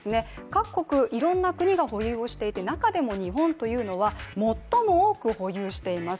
各国、いろんな国が保有していて、中でも日本というのは最も多く保有しています。